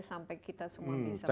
sampai kita semua bisa